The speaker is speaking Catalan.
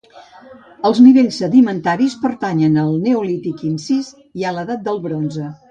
Els nivells sedimentaris pertanyen al Neolític incís i a l'Edat del Bronze.